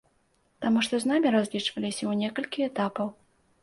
Таму што з намі разлічваліся ў некалькі этапаў.